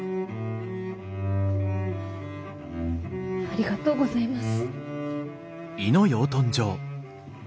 ありがとうございます。